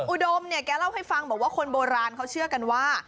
อุดมเนี่ยแกเล่าให้ฟังบอกว่าคนโบราณเขาเชื่อกันว่า